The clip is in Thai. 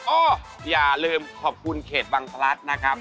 ก็อย่าลืมขอบคุณเขตบังพลัดนะครับ